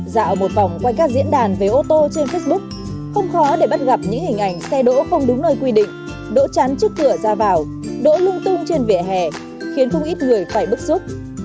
dạo một vòng quanh các diễn đàn về ô tô trên facebook không khó để bắt gặp những hình ảnh xe đỗ không đúng nơi quy định đỗ chắn trước cửa ra vào đỗ lung tung trên vỉa hè khiến không ít người phải bức xúc